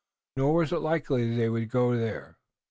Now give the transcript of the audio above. Nor was it likely that they would go there.